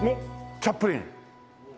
チャップリン。